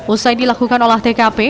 usai dilakukan olah tkp